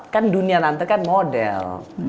kan dunia nanti kan model